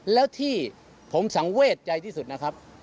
แล้วที่ผมสังเวทใจที่สุดนะครับ